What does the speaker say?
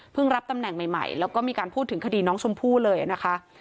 รับตำแหน่งใหม่แล้วก็มีการพูดถึงคดีน้องชมพู่เลยนะคะ